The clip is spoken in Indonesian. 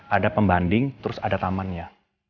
ada pembanding terus ada tamannya